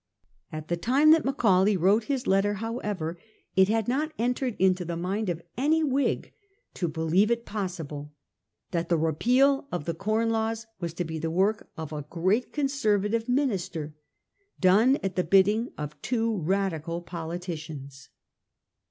At the time that Macaulay wrote his letter, however, it had not entered into the mind of any Whig to believe it possible that the repeal of the Com Laws was to be the work of a great Conservative minister, done at the bidding of two Radical politicians.